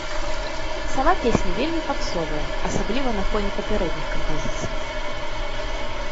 Сама песня вельмі папсовая, асабліва на фоне папярэдніх кампазіцый.